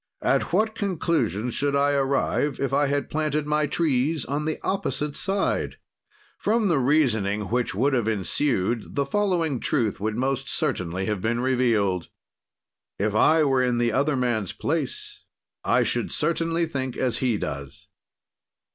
"At what conclusions should I arrive, if I had planted my trees on the opposite side?" From the reasoning which would have ensued, the following truth would most certainly have been revealed. "If I were in the other man's place, I should certainly think as he does."